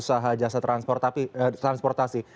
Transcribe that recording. pengusaha jasa transportasi